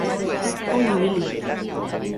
Ongi ibili.